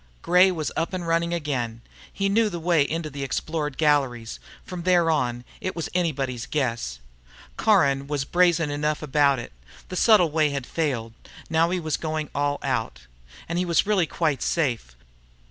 Gray was up and running again. He knew the way into the explored galleries. From there on, it was anybody's guess. Caron was brazen enough about it. The subtle way had failed. Now he was going all out. And he was really quite safe.